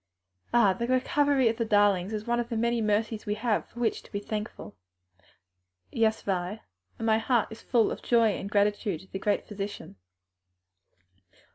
"Ah, the recovery of the darlings is one of the many mercies we have to be thankful for!" "Yes, Vi, and my heart is full of joy and gratitude to the Great Physician."